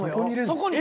そこに？